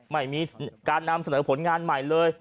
ไม่มีการนำเสนอผลงานใหม่เลย